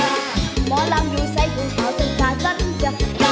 หมอลำอยู่ใส่ฝุ่งเผาจนถ่าฉันจะยอดไปเกิดเพื่อน